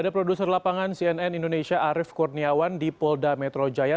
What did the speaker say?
dan produser lapangan cnn indonesia arief kurniawan di polda metro jaya